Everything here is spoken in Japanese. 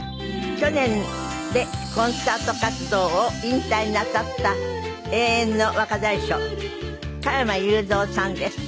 去年でコンサート活動を引退なさった永遠の若大将加山雄三さんです。